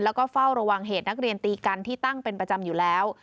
แล้วก็เฝ้าระวังเหตุนักเรียนตีกันที่ตั้งเป็นประจำอยู่แล้ว